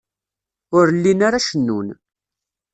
Ur llin ara cennun.